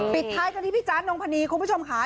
ปิดท้ายตอนนี้พี่จ๊ะน้องพะนีคุณผู้ชมค่ะ